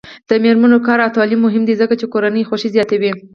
د میرمنو کار او تعلیم مهم دی ځکه چې کورنۍ خوښۍ زیاتوي.